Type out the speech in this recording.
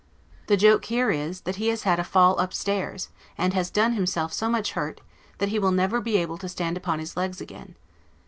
The joke here is, that he has had A FALL UP STAIRS, and has done himself so much hurt, that he will never be able to stand upon his leg's again.